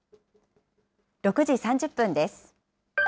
６時３０分です。